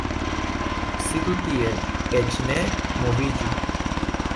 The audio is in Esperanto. Sidu tiel, eĉ ne moviĝu.